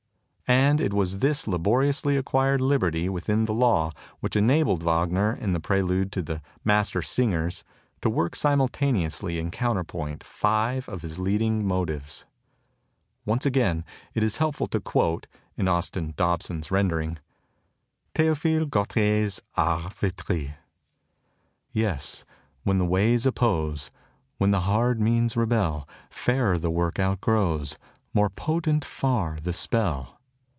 And it was this laboriously acquired liberty within the law which enabled Wagner in the prelude to the 'Master Singers' to work simultaneously in counterpoint five of his leading motives. Once again is it helpful to quote (in Austin Dobson's rendering,) Th6ophile Gautier's 'Ars Victrix': Yes; when the ways oppose When the hard means rebel, Fairer the work outgrows, More potent far the spell.